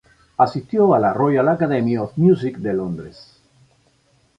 Asistió a la Royal Academy of Music de Londres.